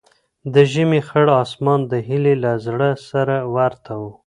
د ژمي خړ اسمان د هیلې له زړه سره ورته و.